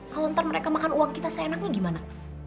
kalau ntar mereka makan uang kita seenaknya gimana